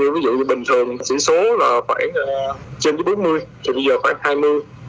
ví dụ như bình thường số số là trên bốn mươi thì bây giờ khoảng hai mươi